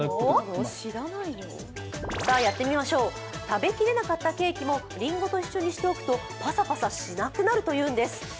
食べきれなかったケーキもりんごと一緒にしておくとパサパサしなくなるというんです。